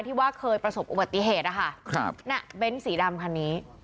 ที่ว่าเคยประสบอุบัติเหตุนะคะครับน่ะเบ้นสีดำคันนี้